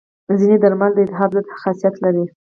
ځینې درمل د التهاب ضد خاصیت لري.